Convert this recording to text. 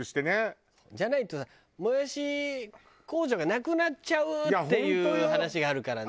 じゃないともやし工場がなくなっちゃうっていう話があるからね。